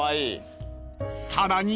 ［さらに］